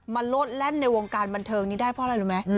โลดแล่นในวงการบันเทิงนี้ได้เพราะอะไรรู้ไหม